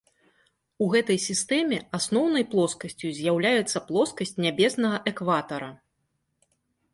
У гэтай сістэме асноўнай плоскасцю з'яўляецца плоскасць нябеснага экватара.